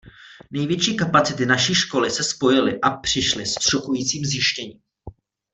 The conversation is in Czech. Největší kapacity naší školy se spojily a přišly s šokujícím zjištěním.